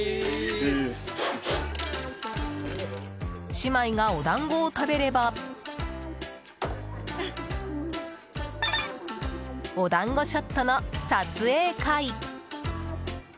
姉妹がお団子を食べればお団子ショットの撮影会。